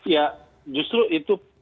ya justru itu